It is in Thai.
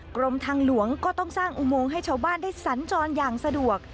กรมทางหลวงก็ต้องสร้างอุโมงให้ชาวบ้านได้สัญจรอย่างสะดวก